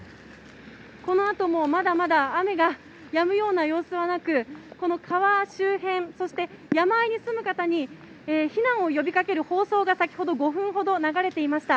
このあとも、まだまだ雨がやむような様子はなく、この川周辺、そして山あいに住む方に避難を呼びかける放送が、先ほど５分ほど流れていました。